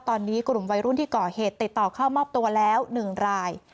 ตอนนี้กลุ่มวัยรุ่นที่ก่อเหตุติดต่อเข้ามอบตัวแล้ว๑ราย